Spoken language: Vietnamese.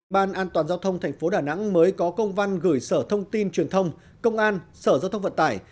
ban an toàn giao thông tp đà nẵng mới có công văn gửi sở thông tin truyền thông công an sở giao thông vận tải